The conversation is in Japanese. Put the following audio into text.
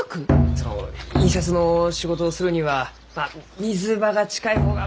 その印刷の仕事をするにはまあ水場が近い方が何かと助かります。